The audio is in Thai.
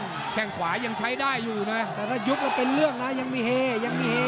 แข้งขวายังใช้ได้อยู่นะแต่ถ้ายุบกันเป็นเรื่องนะยังมีเฮยังมีเฮ